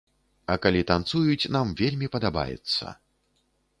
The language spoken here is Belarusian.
А калі танцуюць, нам вельмі падабаецца.